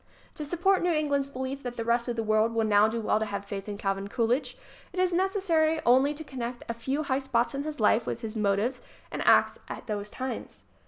To support New England's belief that the rest of the world will now do well to have faith in Calvin Coolidge it is necessary only to connect a few high spots in his life with his motives and acts at those times.